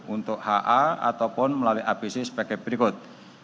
untuk ha ataupun melalui apc sebagai berikut